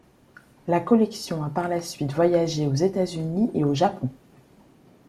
La collection a par la suite voyagé aux États-Unis et au Japon.